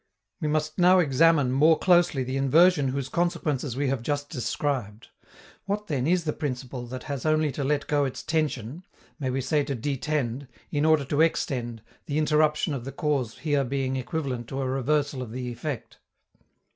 We must now examine more closely the inversion whose consequences we have just described. What, then, is the principle that has only to let go its tension may we say to detend in order to extend, the interruption of the cause here being equivalent to a reversal of the effect?